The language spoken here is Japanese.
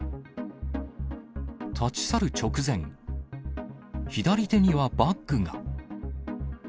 立ち去る直前、左手にはバッグが。